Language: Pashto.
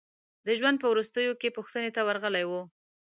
د ژوند په وروستیو کې پوښتنې ته ورغلي وو.